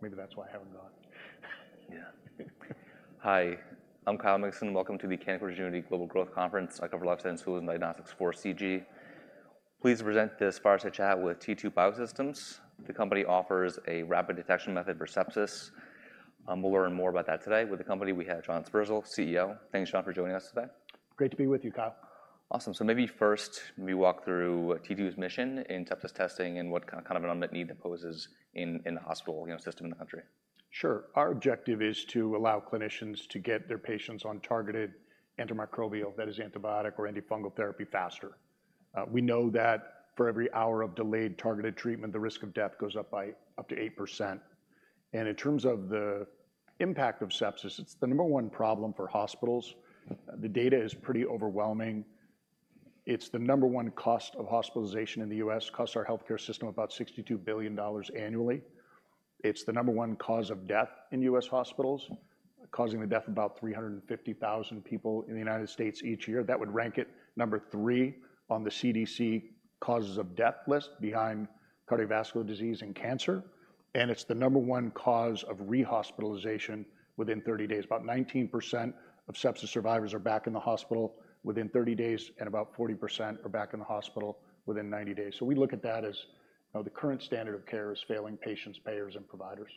Maybe that's why I haven't gone. Yeah. Hi, I'm Kyle Mikson, welcome to the Canaccord Genuity Global Growth Conference. I cover life science tools and diagnostics for CG. Pleased to present this fireside chat with T2 Biosystems. The company offers a rapid detection method for sepsis. We'll learn more about that today. With the company, we have John Sperzel, CEO. Thanks, John, for joining us today. Great to be with you, Kyle. Awesome. So maybe first, can you walk through T2's mission in sepsis testing and what kind of unmet need that poses in the hospital, you know, system in the country? Sure. Our objective is to allow clinicians to get their patients on targeted antimicrobial, that is antibiotic or antifungal therapy, faster. We know that for every hour of delayed targeted treatment, the risk of death goes up by up to 8%. And in terms of the impact of sepsis, it's the number one problem for hospitals. The data is pretty overwhelming. It's the number one cost of hospitalization in the U.S., costs our healthcare system about $62 billion annually. It's the number one cause of death in U.S. hospitals, causing the death of about 350,000 people in the United States each year. That would rank it number three on the CDC causes of death list, behind cardiovascular disease and cancer, and it's the number one cause of rehospitalization within 30 days. About 19% of sepsis survivors are back in the hospital within 30 days, and about 40% are back in the hospital within 90 days. So we look at that as, you know, the current standard of care is failing patients, payers, and providers.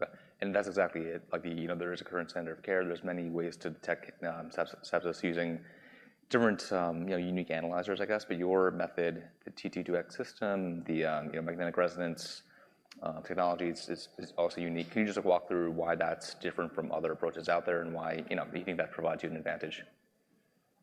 Right. And that's exactly it, like, the, you know, there is a current standard of care. There's many ways to detect sepsis using different, you know, unique analyzers, I guess, but your method, the T2Dx system, the, you know, magnetic resonance technology is also unique. Can you just walk through why that's different from other approaches out there, and why, you know, you think that provides you an advantage?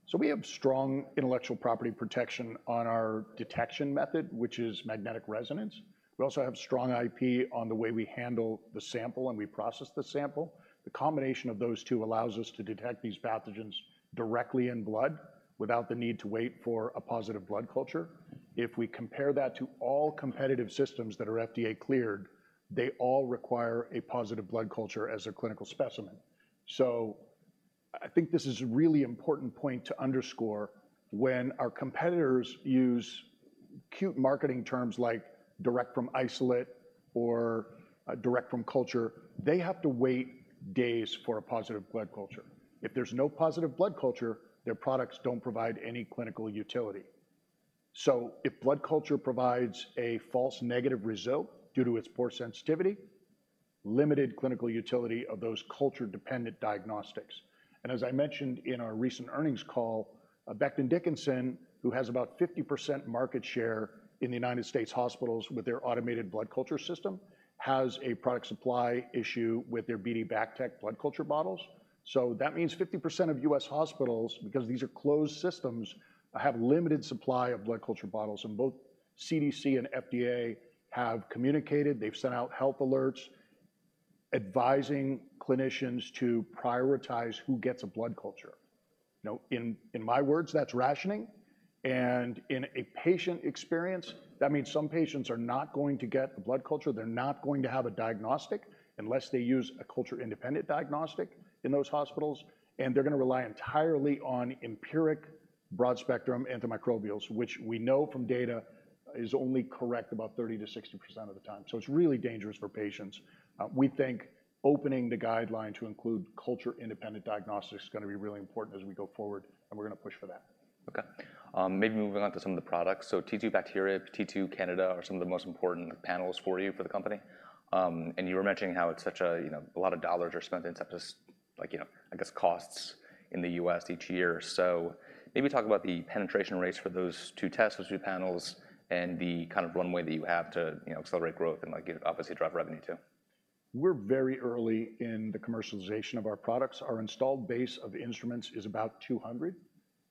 So we have strong intellectual property protection on our detection method, which is magnetic resonance. We also have strong IP on the way we handle the sample and we process the sample. The combination of those two allows us to detect these pathogens directly in blood, without the need to wait for a positive blood culture. If we compare that to all competitive systems that are FDA cleared, they all require a positive blood culture as a clinical specimen. So, I think this is a really important point to underscore. When our competitors use cute marketing terms like, "direct from isolate" or, "direct from culture," they have to wait days for a positive blood culture. If there's no positive blood culture, their products don't provide any clinical utility. So, if blood culture provides a false negative result due to its poor sensitivity, limited clinical utility of those culture-dependent diagnostics. And as I mentioned in our recent earnings call, Becton Dickinson, who has about 50% market share in the United States hospitals with their automated blood culture system, has a product supply issue with their BD BACTEC blood culture bottles. So, that means 50% of US hospitals, because these are closed systems, have limited supply of blood culture bottles, and both CDC and FDA have communicated, they've sent out health alerts advising clinicians to prioritize who gets a blood culture. Now, in my words, that's rationing, and in a patient experience, that means some patients are not going to get a blood culture, they're not going to have a diagnostic unless they use a culture-independent diagnostic in those hospitals, and they're gonna rely entirely on empiric, broad-spectrum antimicrobials, which we know from data is only correct about 30%-60% of the time. So it's really dangerous for patients. We think opening the guideline to include culture-independent diagnostics is gonna be really important as we go forward, and we're gonna push for that. Okay. Maybe moving on to some of the products. So T2Bacteria, T2Candida, are some of the most important panels for you, for the company. And you were mentioning how it's such a, you know, a lot of dollars are spent in sepsis, like, you know, I guess, costs in the U.S. each year. So maybe talk about the penetration rates for those two tests, those two panels, and the kind of runway that you have to, you know, accelerate growth and, like, obviously drive revenue, too. We're very early in the commercialization of our products. Our installed base of instruments is about 200.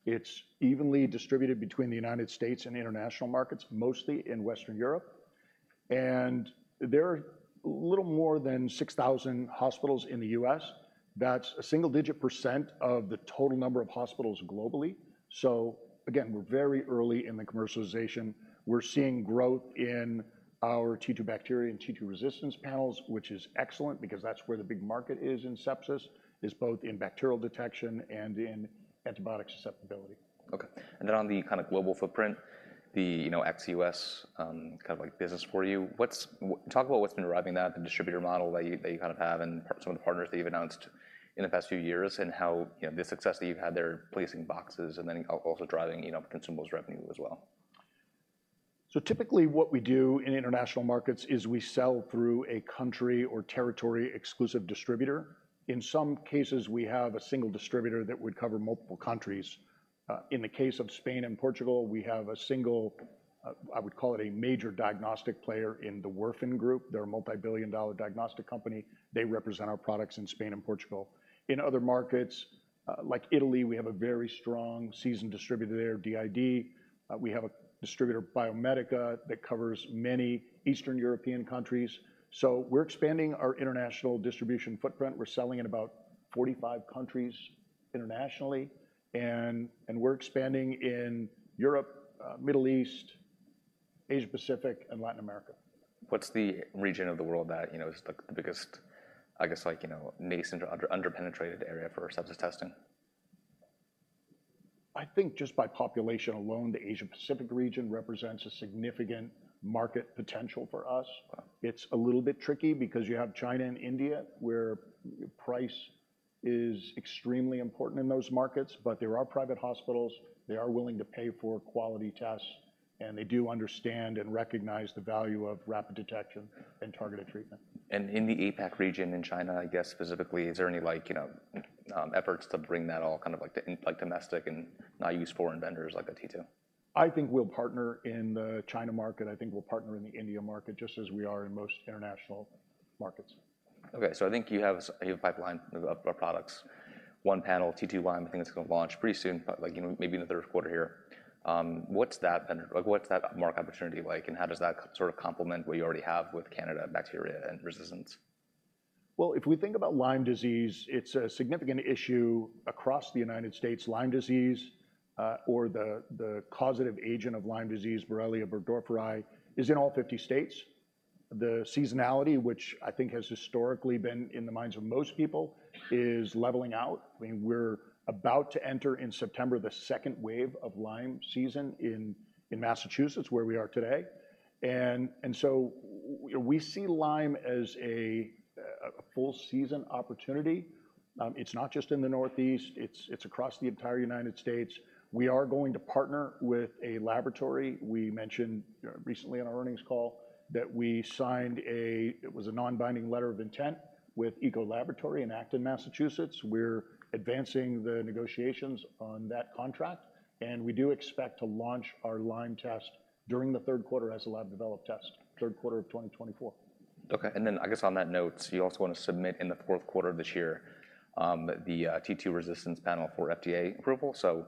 It's evenly distributed between the United States and international markets, mostly in Western Europe. There are little more than 6,000 hospitals in the U.S. That's a single digit % of the total number of hospitals globally. Again, we're very early in the commercialization. We're seeing growth in our T2Bacteria and T2Resistance panels, which is excellent, because that's where the big market is in sepsis, is both in bacterial detection and in antibiotic susceptibility. Okay. And then on the kinda global footprint, the, you know, ex-US, kind of like business for you, talk about what's been driving that, the distributor model that you, that you kind of have, and some of the partners that you've announced in the past few years, and how, you know, the success that you've had there placing boxes and then also driving, you know, consumables revenue as well. So typically, what we do in international markets is we sell through a country or territory exclusive distributor. In some cases, we have a single distributor that would cover multiple countries. In the case of Spain and Portugal, we have a single, I would call it a major diagnostic player in the Werfen Group. They're a multi-billion dollar diagnostic company. They represent our products in Spain and Portugal. In other markets, like Italy, we have a very strong, seasoned distributor there, DID. We have a distributor, Biomedica, that covers many Eastern European countries. So, we're expanding our international distribution footprint. We're selling in about 45 countries internationally, and we're expanding in Europe, Middle East, Asia-Pacific, and Latin America. What's the region of the world that, you know, is the biggest, I guess, like, you know, nascent or under-penetrated area for sepsis testing? ... I think just by population alone, the Asia-Pacific region represents a significant market potential for us. Right. It's a little bit tricky because you have China and India, where price is extremely important in those markets. But there are private hospitals, they are willing to pay for quality tests, and they do understand and recognize the value of rapid detection and targeted treatment. In the APAC region, in China, I guess specifically, is there any like, you know, efforts to bring that all kind of like to, like, domestic and not use foreign vendors like the T2? I think we'll partner in the China market. I think we'll partner in the India market, just as we are in most international markets. Okay, so I think you have a pipeline of products. One panel, T2Lyme, I think it's gonna launch pretty soon, but like, you know, maybe in the third quarter here. What's that market opportunity like, and how does that sort of complement what you already have with candida, bacteria, and resistance? Well, if we think about Lyme disease, it's a significant issue across the United States. Lyme disease, or the causative agent of Lyme disease, Borrelia burgdorferi, is in all 50 states. The seasonality, which I think has historically been in the minds of most people, is leveling out. I mean, we're about to enter, in September, the second wave of Lyme season in Massachusetts, where we are today. So, we see Lyme as a full season opportunity. It's not just in the Northeast, it's across the entire United States. We are going to partner with a laboratory. We mentioned recently on our earnings call that we signed a non-binding letter of intent with Eco Laboratory in Acton, Massachusetts. We're advancing the negotiations on that contract, and we do expect to launch our Lyme test during the third quarter as a lab-developed test, third quarter of 2024. Okay, and then I guess on that note, you also want to submit in the fourth quarter of this year the T2Resistance Panel for FDA approval. So,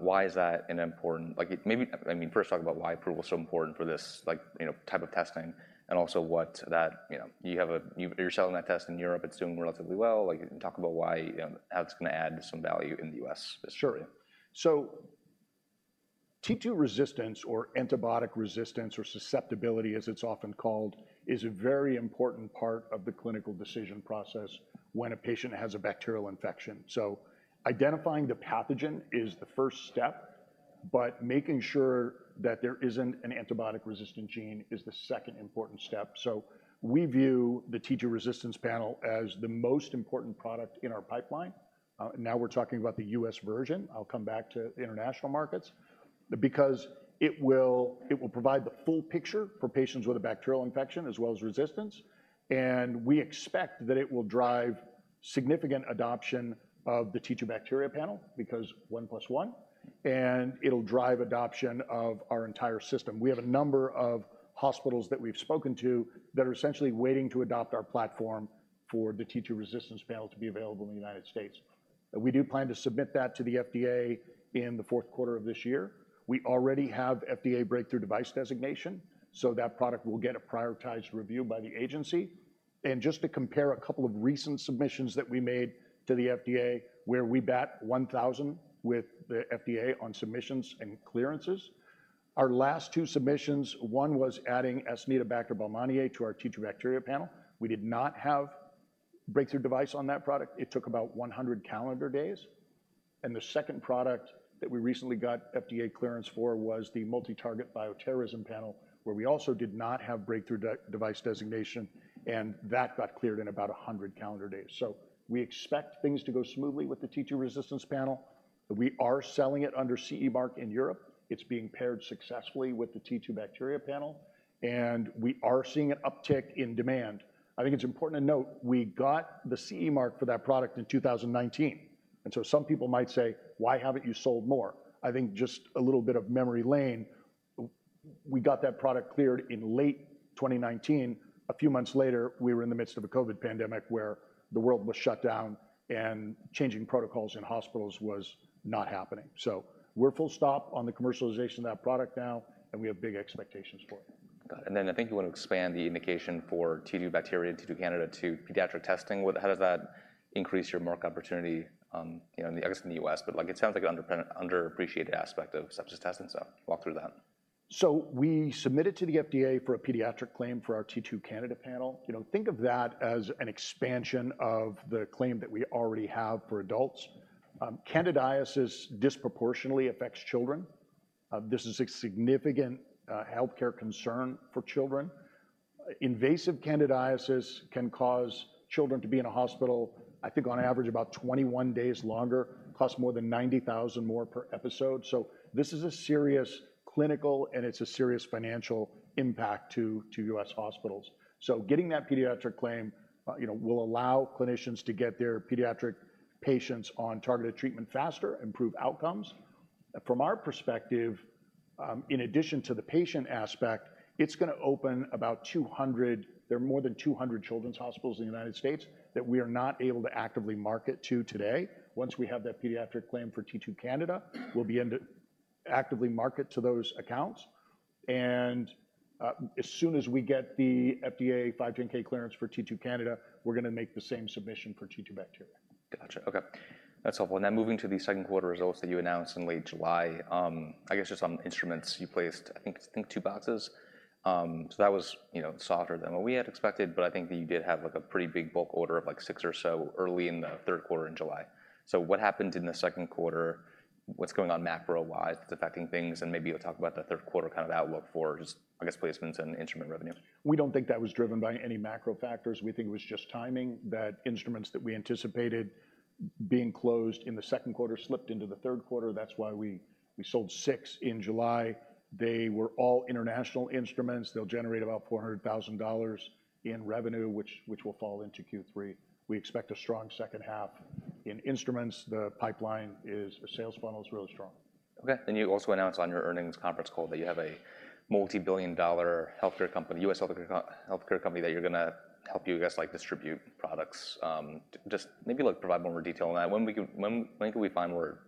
why is that an important... Like, maybe, I mean, first talk about why approval is so important for this, like, you know, type of testing, and also what that, You know, you're selling that test in Europe, it's doing relatively well. Like, you can talk about why, how it's gonna add some value in the US as- Sure. So T2Resistance, or antibiotic resistance, or susceptibility, as it's often called, is a very important part of the clinical decision process when a patient has a bacterial infection. So identifying the pathogen is the first step, but making sure that there isn't an antibiotic-resistant gene is the second important step. So we view the T2Resistance Panel as the most important product in our pipeline. Now we're talking about the US version, I'll come back to the international markets. Because it will, it will provide the full picture for patients with a bacterial infection as well as resistance, and we expect that it will drive significant adoption of the T2Bacteria Panel because one plus one, and it'll drive adoption of our entire system. We have a number of hospitals that we've spoken to that are essentially waiting to adopt our platform for the T2Resistance Panel to be available in the United States. We do plan to submit that to the FDA in the fourth quarter of this year. We already have FDA Breakthrough Device Designation, so that product will get a prioritized review by the agency. Just to compare a couple of recent submissions that we made to the FDA, where we bat 1,000 with the FDA on submissions and clearances. Our last two submissions, one was adding Acinetobacter baumannii to our T2Bacteria Panel. We did not have breakthrough device on that product. It took about 100 calendar days. The second product that we recently got FDA clearance for was the multi-target bioterrorism panel, where we also did not have Breakthrough Device Designation, and that got cleared in about 100 calendar days. We expect things to go smoothly with the T2Resistance Panel. We are selling it under CE Mark in Europe. It's being paired successfully with the T2Bacteria Panel, and we are seeing an uptick in demand. I think it's important to note we got the CE Mark for that product in 2019, and so some people might say: "Why haven't you sold more?" I think just a little bit of memory lane, we got that product cleared in late 2019. A few months later, we were in the midst of a COVID pandemic, where the world was shut down and changing protocols in hospitals was not happening. So we're full stop on the commercialization of that product now, and we have big expectations for it. Got it. And then I think you want to expand the indication for T2Bacteria and T2Candida to pediatric testing. How does that increase your market opportunity, you know, I guess in the US, but, like, it sounds like an underappreciated aspect of sepsis testing, so walk through that. So we submitted to the FDA for a pediatric claim for our T2Candida Panel. You know, think of that as an expansion of the claim that we already have for adults. Candidiasis disproportionately affects children. This is a significant healthcare concern for children. Invasive candidiasis can cause children to be in a hospital, I think, on average, about 21 days longer, costs more than $90,000 more per episode. So this is a serious clinical, and it's a serious financial impact to US hospitals. So getting that pediatric claim, you know, will allow clinicians to get their pediatric patients on targeted treatment faster, improve outcomes. From our perspective, in addition to the patient aspect, it's gonna open about 200... There are more than 200 children's hospitals in the United States that we are not able to actively market to today. Once we have that pediatric claim for T2Candida, we'll begin to actively market to those accounts... and, as soon as we get the FDA 510(k) clearance for T2Candida, we're gonna make the same submission for T2Bacteria. Gotcha. Okay, that's helpful. Now, moving to the second quarter results that you announced in late July, I guess just on instruments, you placed, I think, I think 2 boxes. So that was, you know, softer than what we had expected, but I think that you did have, like, a pretty big bulk order of, like, 6 or so early in the third quarter in July. So what happened in the second quarter? What's going on macro-wise that's affecting things? And maybe you'll talk about the third quarter kind of outlook for just, I guess, placements and instrument revenue. We don't think that was driven by any macro factors. We think it was just timing, that instruments that we anticipated being closed in the second quarter slipped into the third quarter. That's why we sold 6 in July. They were all international instruments. They'll generate about $400,000 in revenue, which will fall into Q3. We expect a strong second half. In instruments, the pipeline is, the sales funnel is really strong. Okay, and you also announced on your earnings conference call that you have a multi-billion dollar healthcare company, US healthcare company, that you're gonna help you guys, like, distribute products. Just maybe like provide more detail on that. When can we find more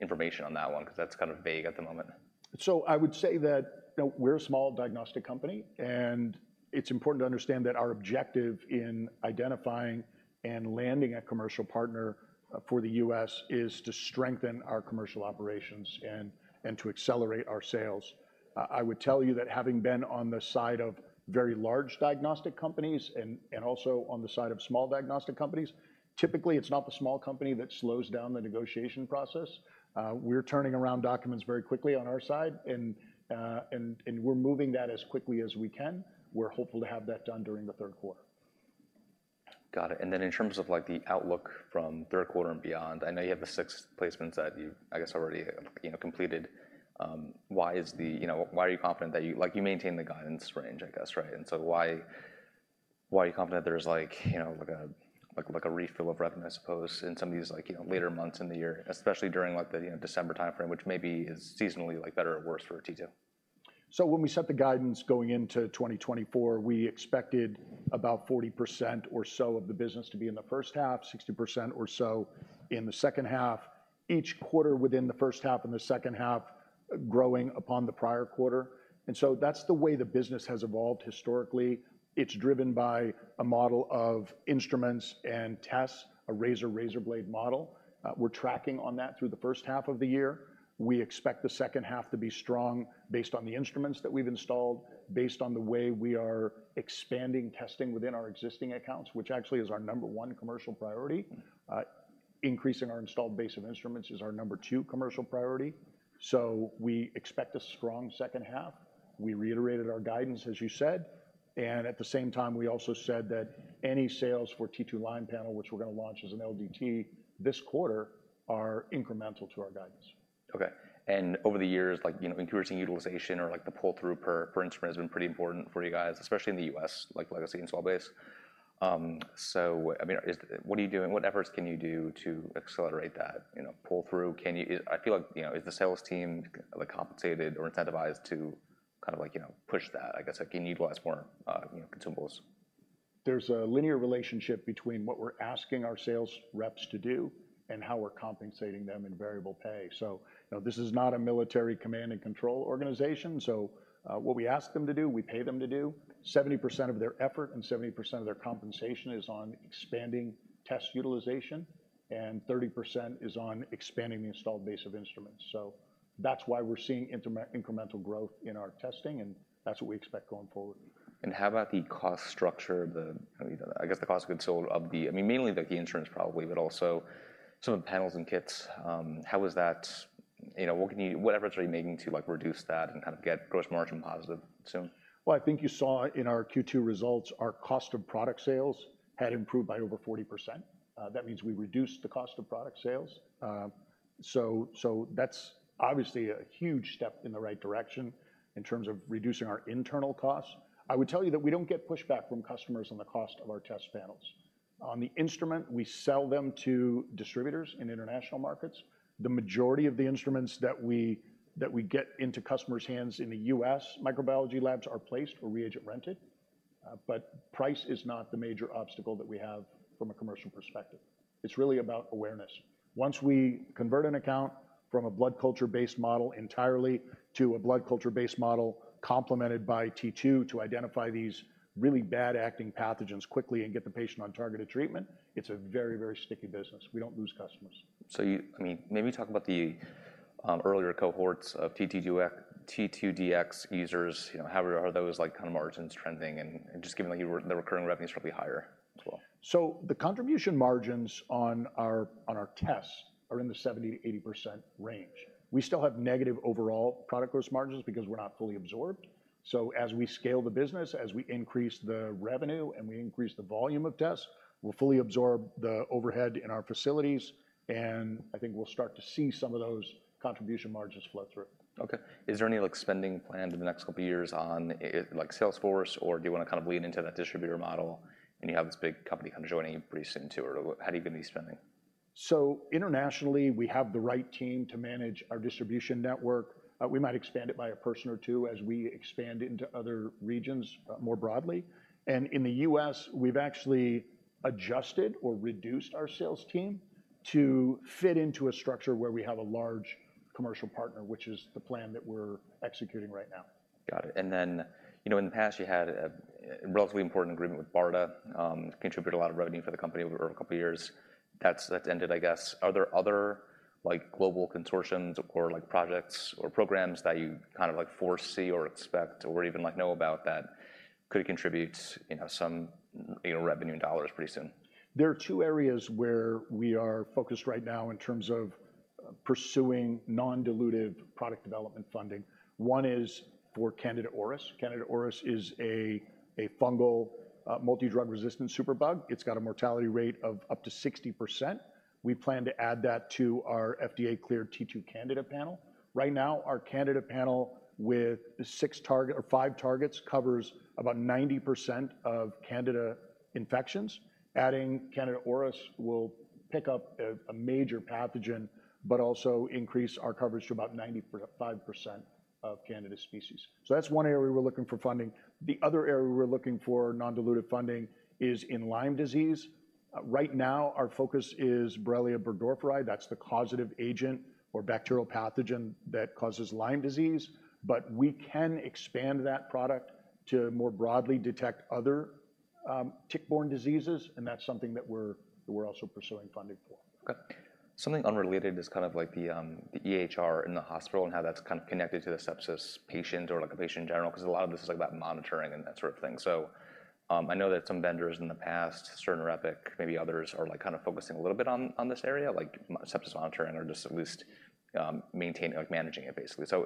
information on that one? 'Cause that's kind of vague at the moment. So I would say that, you know, we're a small diagnostic company, and it's important to understand that our objective in identifying and landing a commercial partner, for the US is to strengthen our commercial operations and, and to accelerate our sales. I would tell you that having been on the side of very large diagnostic companies and, and also on the side of small diagnostic companies, typically, it's not the small company that slows down the negotiation process. We're turning around documents very quickly on our side, and, and we're moving that as quickly as we can. We're hopeful to have that done during the third quarter. Got it. And then in terms of, like, the outlook from third quarter and beyond, I know you have the six placements that you, I guess, already, you know, completed. Why are you confident that you—like, you maintained the guidance range, I guess, right? And so why, why are you confident there's like, you know, like a, like, like a refill of revenue, I suppose, in some of these, like, you know, later months in the year, especially during, like, the, you know, December timeframe, which maybe is seasonally, like, better or worse for T2? When we set the guidance going into 2024, we expected about 40% or so of the business to be in the first half, 60% or so in the second half, each quarter within the first half and the second half growing upon the prior quarter, and that's the way the business has evolved historically. It's driven by a model of instruments and tests, a razor-razor blade model. We're tracking on that through the first half of the year. We expect the second half to be strong based on the instruments that we've installed, based on the way we are expanding testing within our existing accounts, which actually is our number one commercial priority. Increasing our installed base of instruments is our number two commercial priority. We expect a strong second half. We reiterated our guidance, as you said, and at the same time, we also said that any sales for T2Lyme Panel, which we're gonna launch as an LDT this quarter, are incremental to our guidance. Okay. Over the years, like, you know, increasing utilization or, like, the pull-through per instrument has been pretty important for you guys, especially in the U.S., like legacy installed base. So, I mean, what are you doing? What efforts can you do to accelerate that, you know, pull-through? Can you? I feel like, you know, is the sales team, like, compensated or incentivized to kind of like, you know, push that, I guess, like, can you utilize more, you know, consumables? There's a linear relationship between what we're asking our sales reps to do and how we're compensating them in variable pay. So, you know, this is not a military command and control organization, so what we ask them to do, we pay them to do. 70% of their effort and 70% of their compensation is on expanding test utilization, and 30% is on expanding the installed base of instruments. So that's why we're seeing incremental growth in our testing, and that's what we expect going forward. How about the cost structure, the, I mean, the, I guess, the cost of goods sold of the, I mean, mainly, like, the instruments probably, but also some of the panels and kits. How is that? You know, what can you-- what efforts are you making to, like, reduce that and kind of get gross margin positive soon? Well, I think you saw in our Q2 results, our cost of product sales had improved by over 40%. That means we reduced the cost of product sales. So, so that's obviously a huge step in the right direction in terms of reducing our internal costs. I would tell you that we don't get pushback from customers on the cost of our test panels. On the instrument, we sell them to distributors in international markets. The majority of the instruments that we get into customers' hands in the US microbiology labs are placed or reagent rented, but price is not the major obstacle that we have from a commercial perspective. It's really about awareness. Once we convert an account from a blood culture-based model entirely to a blood culture-based model complemented by T2 to identify these really bad acting pathogens quickly and get the patient on targeted treatment, it's a very, very sticky business. We don't lose customers. So you, I mean, maybe talk about the earlier cohorts of T2Dx, T2Dx users. You know, how are, how are those, like, kind of margins trending and just given, like, you were the recurring revenue is probably higher as well. So the contribution margins on our tests are in the 70%-80% range. We still have negative overall product gross margins because we're not fully absorbed, so as we scale the business, as we increase the revenue and we increase the volume of tests, we'll fully absorb the overhead in our facilities, and I think we'll start to see some of those contribution margins flow through. Okay. Is there any, like, spending plans in the next couple of years on, like, sales force, or do you wanna kind of lean into that distributor model, and you have this big company kind of joining you pretty soon, too? Or how are you gonna be spending? Internationally, we have the right team to manage our distribution network. We might expand it by a person or two as we expand into other regions, more broadly. In the U.S., we've actually adjusted or reduced our sales team to fit into a structure where we have a large commercial partner, which is the plan that we're executing right now. Got it, and then, you know, in the past, you had a relatively important agreement with BARDA, contributed a lot of revenue for the company over a couple years. That's ended, I guess. Are there other, like, global consortiums or, like, projects or programs that you kind of like foresee or expect or even, like, know about that could contribute, you know, some revenue dollars pretty soon? There are two areas where we are focused right now in terms of pursuing non-dilutive product development funding. One is for Candida auris. Candida auris is a fungal multi-drug resistant superbug. It's got a mortality rate of up to 60%. We plan to add that to our FDA-cleared T2Candida Panel. Right now, our Candida panel with six target or five targets covers about 90% of Candida infections. Adding Candida auris will pick up a major pathogen, but also increase our coverage to about 95% of Candida species. So that's one area we're looking for funding. The other area we're looking for non-dilutive funding is in Lyme disease. Right now, our focus is Borrelia burgdorferi. That's the causative agent or bacterial pathogen that causes Lyme disease, but we can expand that product to more broadly detect other tick-borne diseases, and that's something that we're also pursuing funding for. Okay. Something unrelated is kind of like the EHR in the hospital and how that's kind of connected to the sepsis patient or, like, a patient in general, 'cause a lot of this is about monitoring and that sort of thing. So, I know that some vendors in the past, Cerner, Epic, maybe others, are, like, kind of focusing a little bit on this area, like sepsis monitoring or just at least maintaining, like managing it, basically. So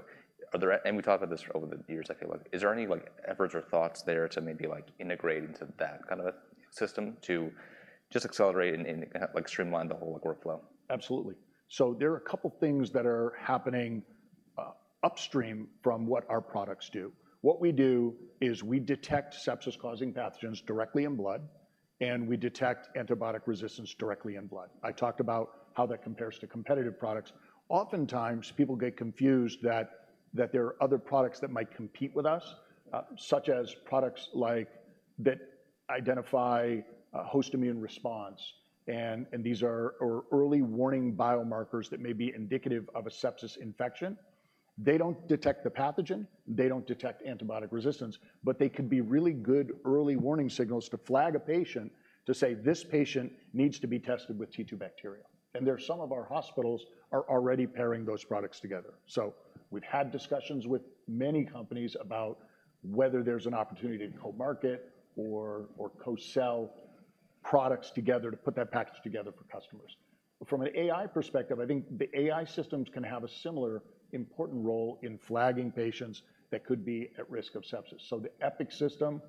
are there... We talked about this over the years, I feel like. Is there any, like, efforts or thoughts there to maybe, like, integrate into that kind of a system to just accelerate and, like, streamline the whole, like, workflow? Absolutely. So there are a couple things that are happening upstream from what our products do. What we do is we detect sepsis-causing pathogens directly in blood, and we detect antibiotic resistance directly in blood. I talked about how that compares to competitive products. Oftentimes, people get confused that there are other products that might compete with us, such as products like that identify a host immune response, and these are early warning biomarkers that may be indicative of a sepsis infection. They don't detect the pathogen, they don't detect antibiotic resistance, but they can be really good early warning signals to flag a patient to say, "This patient needs to be tested with T2Bacteria." And there are some of our hospitals are already pairing those products together. So we've had discussions with many companies about whether there's an opportunity to co-market or co-sell products together to put that package together for customers. But from an AI perspective, I think the AI systems can have a similar important role in flagging patients that could be at risk of sepsis. So the Epic system,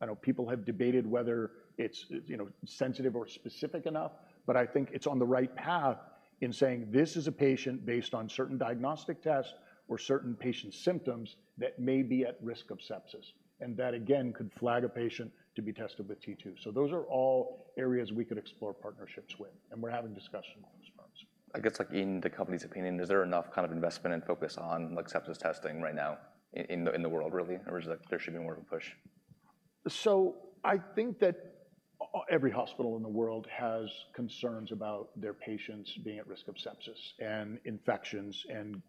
I know people have debated whether it's you know, sensitive or specific enough, but I think it's on the right path in saying, "This is a patient based on certain diagnostic tests or certain patient symptoms that may be at risk of sepsis," and that, again, could flag a patient to be tested with T2. So those are all areas we could explore partnerships with, and we're having discussions with those firms. I guess, like, in the company's opinion, is there enough kind of investment and focus on, like, sepsis testing right now in the world, really? Or there should be more of a push? So I think that every hospital in the world has concerns about their patients being at risk of sepsis, and infections, and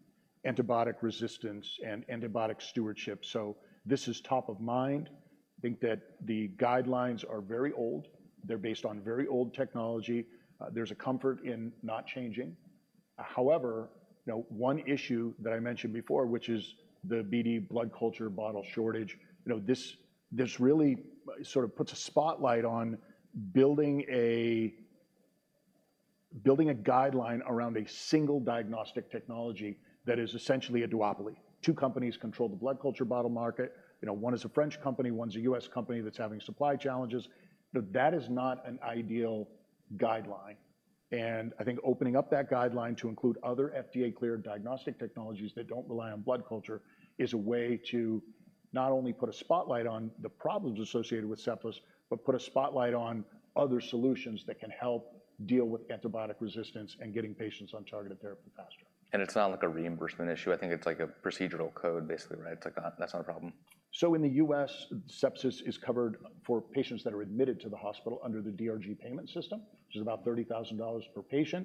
antibiotic resistance, and antibiotic stewardship, so this is top of mind. I think that the guidelines are very old. They're based on very old technology. There's a comfort in not changing. However, you know, one issue that I mentioned before, which is the BD blood culture bottle shortage, you know, this really sort of puts a spotlight on building a guideline around a single diagnostic technology that is essentially a duopoly. Two companies control the blood culture bottle market. You know, one is a French company, one's a US company that's having supply challenges. You know, that is not an ideal guideline, and I think opening up that guideline to include other FDA-cleared diagnostic technologies that don't rely on blood culture is a way to not only put a spotlight on the problems associated with sepsis, but put a spotlight on other solutions that can help deal with antibiotic resistance and getting patients on targeted therapy faster. It's not, like, a reimbursement issue. I think it's, like, a procedural code, basically, right? That's not a problem. So in the US, sepsis is covered for patients that are admitted to the hospital under the DRG payment system, which is about $30,000 per patient.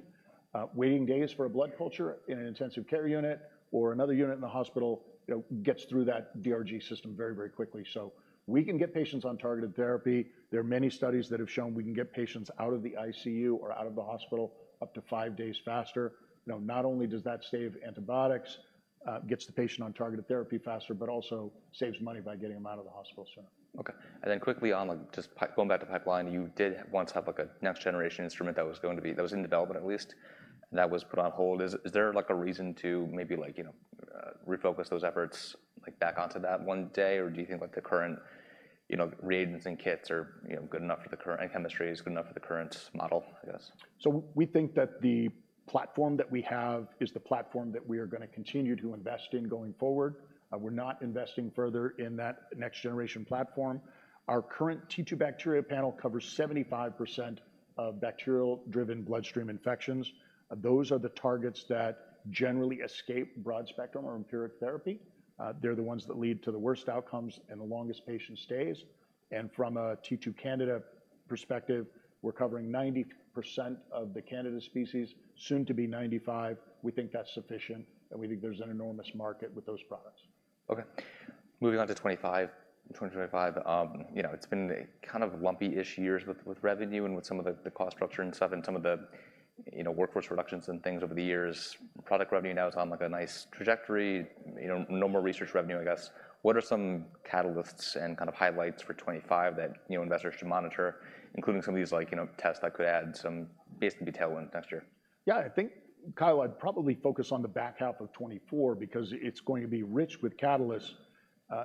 Waiting days for a blood culture in an intensive care unit or another unit in the hospital, you know, gets through that DRG system very, very quickly. So we can get patients on targeted therapy. There are many studies that have shown we can get patients out of the ICU or out of the hospital up to five days faster. You know, not only does that save antibiotics, gets the patient on targeted therapy faster, but also saves money by getting them out of the hospital sooner. Okay, and then quickly on, like, just going back to pipeline, you did once have, like, a next-generation instrument that was going to be... That was in development at least, that was put on hold. Is there, like, a reason to maybe, like, you know, refocus those efforts, like, back onto that one day? Or do you think, like, the current, you know, reagents and kits are, you know, good enough for the current and chemistry is good enough for the current model, I guess? So we think that the platform that we have is the platform that we are gonna continue to invest in going forward. We're not investing further in that next-generation platform. Our current T2Bacteria Panel covers 75% of bacterial-driven bloodstream infections. Those are the targets that generally escape broad-spectrum or empiric therapy. They're the ones that lead to the worst outcomes and the longest patient stays. And from a T2Candida perspective, we're covering 90% of the Candida species, soon to be 95%. We think that's sufficient, and we think there's an enormous market with those products. Okay. Moving on to '25, 2025. You know, it's been a kind of lumpy-ish years with revenue and with some of the cost structure and stuff and some of the, you know, workforce reductions and things over the years. Product revenue now is on, like, a nice trajectory, you know, no more research revenue, I guess. What are some catalysts and kind of highlights for '25 that, you know, investors should monitor, including some of these, like, you know, tests that could add some base detail in next year? Yeah, I think, Kyle, I'd probably focus on the back half of 2024 because it's going to be rich with catalysts.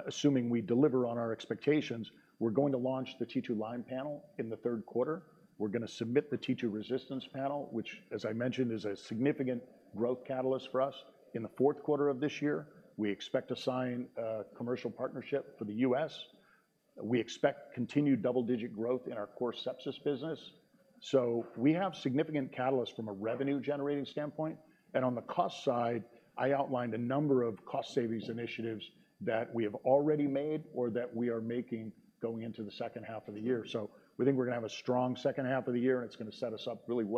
Assuming we deliver on our expectations, we're going to launch the T2Lyme Panel in the third quarter. We're gonna submit the T2Resistance Panel, which, as I mentioned, is a significant growth catalyst for us. In the fourth quarter of this year, we expect to sign a commercial partnership for the US. We expect continued double-digit growth in our core sepsis business. So we have significant catalysts from a revenue-generating standpoint, and on the cost side, I outlined a number of cost savings initiatives that we have already made or that we are making going into the second half of the year. So we think we're gonna have a strong second half of the year, and it's gonna set us up really well-